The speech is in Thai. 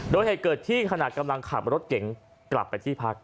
โดยเหตุเกิดที่ขณะกำลังขับรถเก๋งกลับไปที่พัก